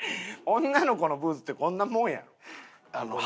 女の子のブーツってこんなもんやん。